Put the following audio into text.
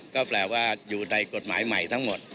ก็แปลว่าอยู่ในกฎหมายใหม่ทั้งหมด